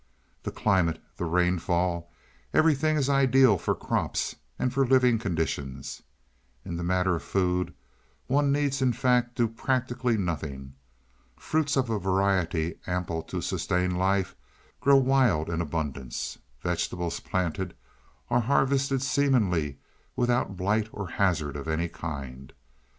"The climate, the rainfall, everything is ideal for crops and for living conditions. In the matter of food, one needs in fact do practically nothing. Fruits of a variety ample to sustain life, grow wild in abundance. Vegetables planted are harvested seemingly without blight or hazard of any kind.